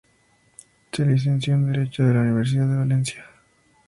Se licenció en Derecho en la Universidad de Valencia.